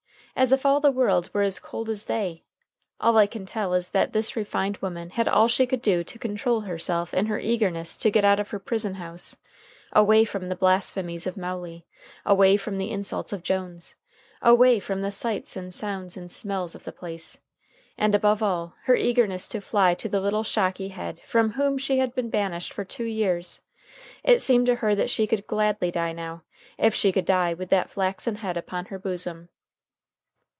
As if all the world were as cold as they! All I can tell is that this refined woman had all she could do to control herself in her eagerness to get out of her prison house, away from the blasphemies of Mowley, away from the insults of Jones, away from the sights and sounds and smells of the place, and, above all, her eagerness to fly to the little shocky head from whom she had been banished for two years. It seemed to her that she could gladly die now, if she could die with that flaxen head upon her bosom.